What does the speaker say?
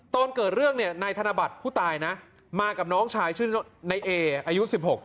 ตอนเกิดเรื่องธนบัตรผู้ตายนะมากับน้องชายชื่อน้อยบาทอายุ๑๖